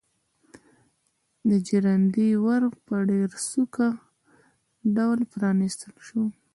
د ژرندې ور په ډېر سوکه ډول پرانيستل شو.